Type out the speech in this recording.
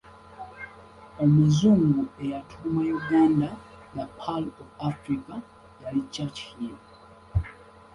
Omuzungu eyatuuma Uganda ‘The Pearl of Africa’ yali ChurchHill.